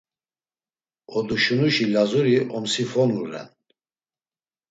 Oduşunuşi Lazuri omsifonu ren.